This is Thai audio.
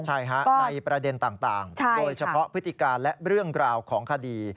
ใช่ฮะในประเด็นต่างโดยเฉพาะพฤติการและเรื่องราวของคดี